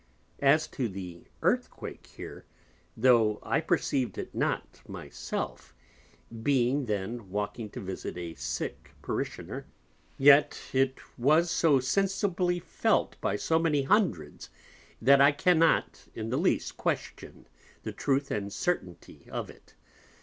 As to the Earthquake here, tho' I perceiv'd it not my self (being then walking to visit a sick Parishoner) yet it was so sensibly felt by so many Hundreds, that I cannot in the least question the Truth and Certainty of it.